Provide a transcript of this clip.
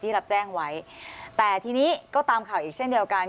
รับแจ้งไว้แต่ทีนี้ก็ตามข่าวอีกเช่นเดียวกัน